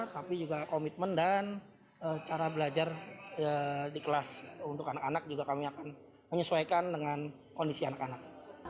tapi juga komitmen dan cara belajar di kelas untuk anak anak juga kami akan menyesuaikan dengan kondisi anak anak